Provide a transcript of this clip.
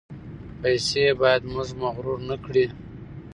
پیسې باید موږ مغرور نکړي.